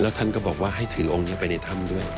ท่านก็บอกว่าให้ถือองค์นี้ไปในถ้ำด้วย